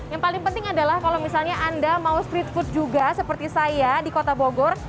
nah paling penting adalah kalau misalnya anda mau street food juga seperti saya di kota bogor